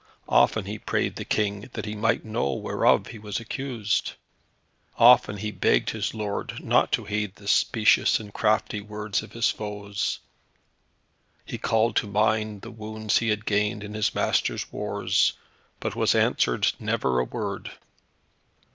Often he prayed the King that he might know whereof he was accused. Often he begged his lord not to heed the specious and crafty words of his foes. He called to mind the wounds he had gained in his master's wars, but was answered never a word.